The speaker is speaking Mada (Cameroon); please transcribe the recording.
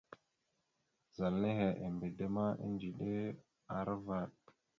Zal nehe embe da ma, edziɗe aravaɗ.